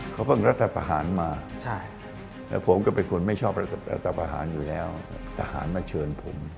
เขาเพิ่งรัฐประหารมาแต่ผมก็เป็นคนไม่ชอบรัฐประหารอยู่แล้วทหารมาเชิญผม